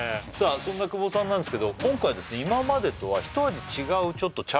そんな久保さんなんですけど今回ですね